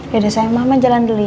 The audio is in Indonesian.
yaudah sayang mama jalan dulu ya